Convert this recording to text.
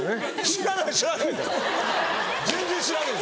知らないの？